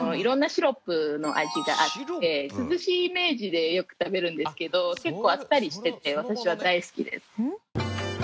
色んなシロップの味があって涼しいイメージでよく食べるんですけど結構あっさりしてて私は大好きです。